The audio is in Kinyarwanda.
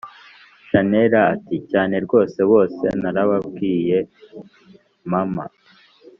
chanella ati: cyane rwose, bose narababwiye mama!